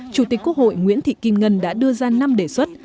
chủ tịch quốc hội nguyễn thị kim ngân đã đưa ra năm đề xuất